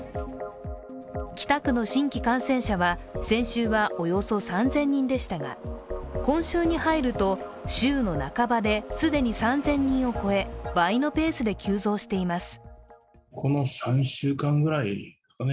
北区の新規感染者は先週はおよそ３０００人でしたが今週に入ると週の半ばで既に３０００人を超え倍のペースで急増しています。